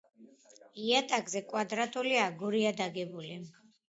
იატაკზე კვადრატული აგურია დაგებული.